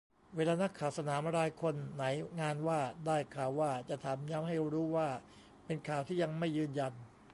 เวลานักข่าวสนามรายคนไหนงานว่า "ได้ข่าวว่า" จะถามย้ำให้รู้ว่าเป็นข่าวที่ยังไม่ยืนยัน